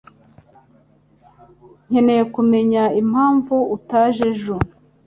Nkeneye kumenya impamvu utaje ejo.